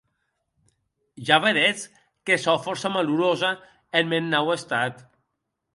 Ja vedetz que sò fòrça malerosa en mèn nau estat.